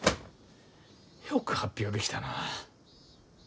よく発表できたな。